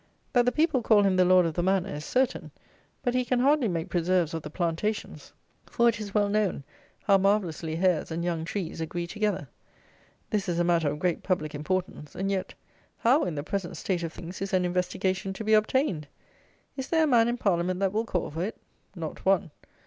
That the people call him the Lord of the Manor is certain; but he can hardly make preserves of the plantations; for it is well known how marvellously hares and young trees agree together! This is a matter of great public importance; and yet, how, in the present state of things, is an investigation to be obtained? Is there a man in Parliament that will call for it? Not one.